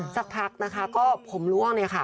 สักพักนะคะก็ผมร่วงค่ะ